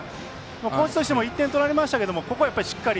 高知としても１点取られましたけどここはしっかり。